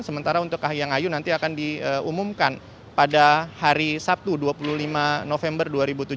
sementara untuk kahiyang ayu nanti akan diumumkan pada hari sabtu dua puluh lima november dua ribu tujuh belas